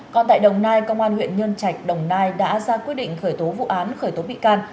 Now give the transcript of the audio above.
còn tại đồng nai công an huyện nhân trạch đồng nai đã ra quyết định khởi tố vụ án khởi tố bị can